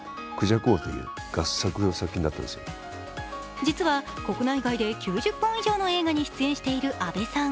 実は国内外で９０本以上の映画に出演している阿部さん。